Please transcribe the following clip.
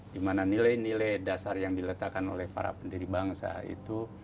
dimana nilai nilai dasar yang diletakkan oleh para pendiri bangsa itu